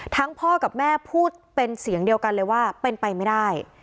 พ่อกับแม่พูดเป็นเสียงเดียวกันเลยว่าเป็นไปไม่ได้